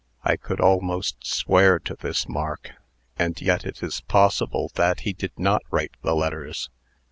"I could almost swear to this mark; and yet it is possible that he did not write the letters.